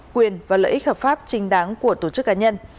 quyền và lợi ích hợp pháp trình đáng của tổ chức cá nhân